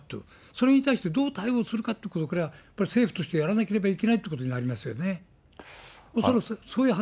それに対してどう対応するかという、これは政府としてやらなければいけないということになりますよね。